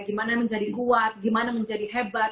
gimana menjadi kuat gimana menjadi hebat